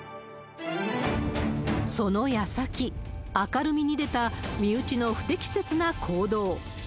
そのやさき、明るみに出た、身内の不適切な行動。